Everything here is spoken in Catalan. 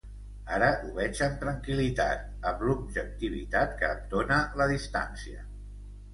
Ara ho veig amb tranquil·litat, amb l’objectivitat que em dóna la distància.